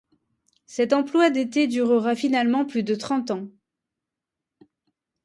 Cet emploi d'été durera finalement plus de trente ans.